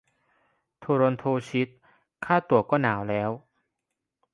โทรอนโท ชิต ค่าตั๋วก็หนาวแล้ว